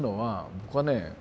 僕はね